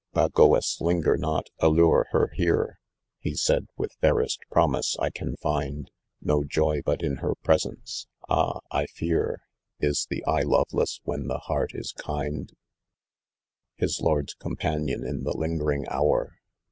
Bagoas, linger not, allure her here," He said, with fairest promise I ean find No joy but in her presence. Ah I I fear Is the eye loveless when the heart is kind f rt His lord's companion in the lingering hour.